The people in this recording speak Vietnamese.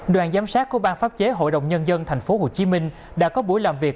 đoàn giám sát của ban pháp chế hội đồng nhân dân tp hcm đã có buổi làm việc